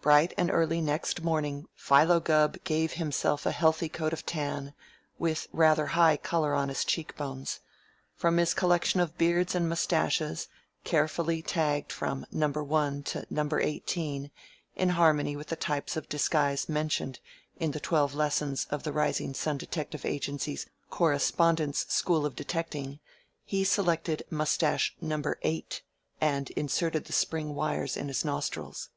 Bright and early next morning, Philo Gubb gave himself a healthy coat of tan, with rather high color on his cheek bones. From his collection of beards and mustaches carefully tagged from "Number One" to "Number Eighteen" in harmony with the types of disguise mentioned in the twelve lessons of the Rising Sun Detective Agency's Correspondence School of Detecting he selected mustache Number Eight and inserted the spring wires in his nostrils.